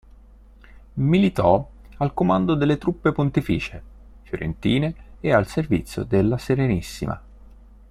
Militò al comando delle truppe pontificie, fiorentine e al servizio della Serenissima.